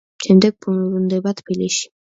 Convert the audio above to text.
შემდეგ ბრუნდება თბილისში.